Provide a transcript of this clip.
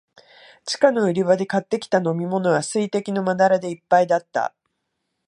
地下の売り場で買ってきた飲みものは、水滴のまだらでいっぱいだった。